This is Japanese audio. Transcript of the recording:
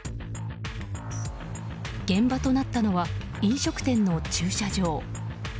現場となったのは飲食店の駐車場。